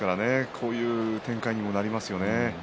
こういう展開にもなりますよね。